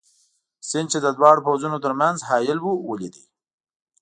سیند، چې د دواړو پوځونو تر منځ حایل وو، ولید.